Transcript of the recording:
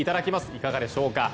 いかがでしょうか。